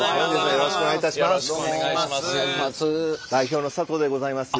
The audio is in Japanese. よろしくお願いします。